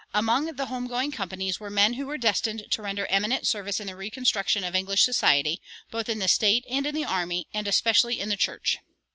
Among the home going companies were men who were destined to render eminent service in the reconstruction of English society, both in the state and in the army, and especially in the church.